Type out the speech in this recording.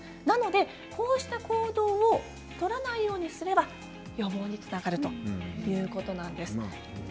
なので、こうした行動を取らないようにすれば予防につながるということです。